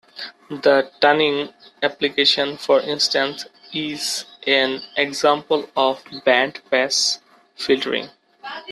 The tuning application, for instance, is an example of band-pass filtering.